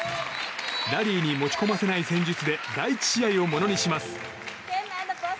ラリーに持ち込ませない戦術で第１試合をものにします。